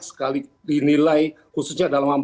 sekali dinilai khususnya